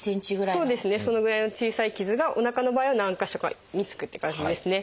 そうですねそのぐらいの小さい傷がおなかの場合は何か所かにつくっていう感じですね。